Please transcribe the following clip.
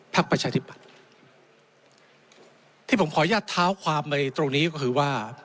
ภักดิ์ประชาธิบัติที่ผมขอยัดเท้าความในตรงนี้ก็คือว่า